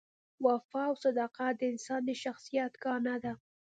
وفا او صداقت د انسان د شخصیت ګاڼه ده.